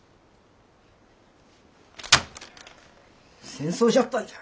戦争じゃったんじゃ。